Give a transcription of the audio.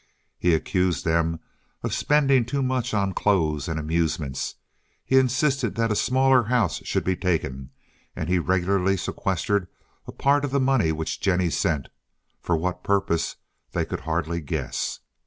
He accused them of spending too much on clothes and amusements, he insisted that a smaller house should be taken, and he regularly sequestered a part of the money which Jennie sent, for what purpose they could hardly guess.